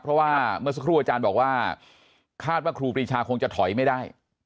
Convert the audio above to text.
เพราะว่าเมื่อสักครู่อาจารย์บอกว่าคาดว่าครูปรีชาคงจะถอยไม่ได้